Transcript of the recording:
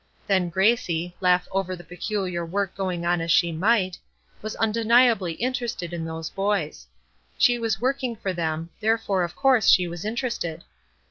Then Gracie, laugh over the peculiar work going on as she might, was undeniably interested in those boys. She was working for them, therefore of course she was interested.